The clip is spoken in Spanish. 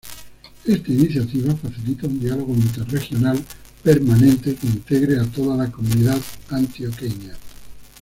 Esta iniciativa facilita un diálogo interregional permanente que integre a toda la comunidad antioqueña.